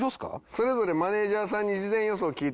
それぞれマネージャーさんに事前予想聞いております。